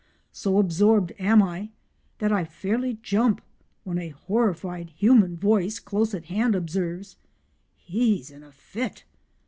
So absorbed am I that I fairly jump when a horrified human voice close at hand observes "He's in a fit"!